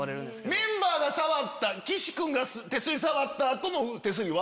メンバーが触った岸君が触った後の手すりは？